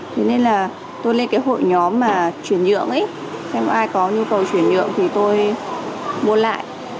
thế nên là tôi lên cái hội nhóm mà chuyển nhượng ấy xem ai có nhu cầu chuyển nhượng thì tôi mua lại